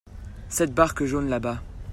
Cette barque jaune là-bas.